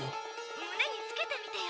胸につけてみてよ。